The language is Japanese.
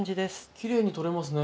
きれいに取れますね。